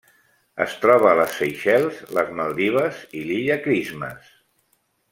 Es troba a les Seychelles, les Maldives i l'Illa Christmas.